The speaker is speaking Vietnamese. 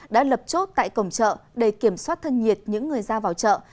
đã lập chốt tại cổng chợ để kiểm soát thân nhiệt những người ra vào chợ